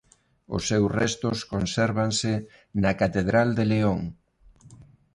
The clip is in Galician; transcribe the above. Os seus restos consérvanse na catedral de León.